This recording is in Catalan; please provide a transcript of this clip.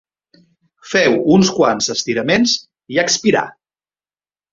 Feu uns quants estiraments i expirà.